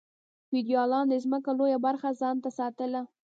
فیوډالانو د ځمکو لویه برخه ځان ته ساتله.